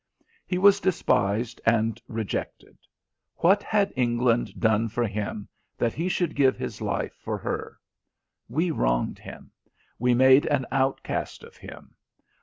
He was despised and rejected. What had England done for him that he should give his life for her? We wronged him. We made an outcast of him.